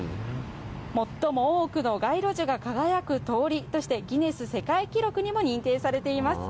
最も多くの街路樹が輝く通りとしてギネス世界記録にも認定されています。